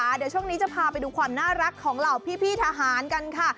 เดี๋ยวช่วงนี้จะพาไปดูความน่ารักของเหล่าพี่ทหารกันค่ะ